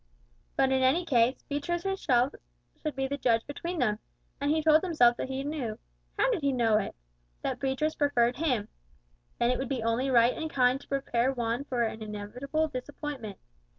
But, in any case, Beatriz herself should be the judge between them. And he told himself that he knew (how did he know it?) that Beatriz preferred him. Then it would be only right and kind to prepare Juan for an inevitable disappointment.